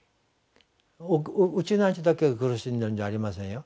ウチナーンチュだけが苦しんでるんじゃありませんよ。